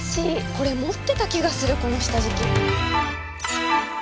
これ持ってた気がするこの下敷き。